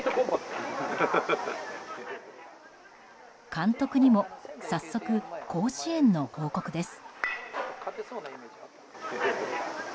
監督にも早速、甲子園の報告です。